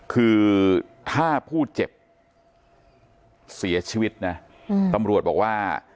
คือถ้าผู้เจ็บเสียชีวิตนะตำรวจบอกว่า